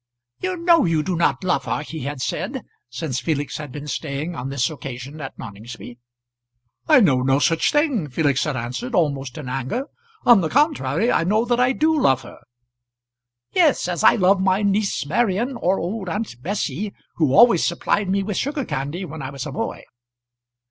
"You know you do not love her," he had said, since Felix had been staying on this occasion at Noningsby. "I know no such thing," Felix had answered, almost in anger. "On the contrary I know that I do love her." "Yes, as I love my niece Marian, or old Aunt Bessy, who always supplied me with sugar candy when I was a boy."